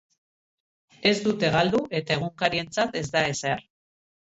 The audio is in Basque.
Ez dute galdu eta egunkarientzat ez da ezer.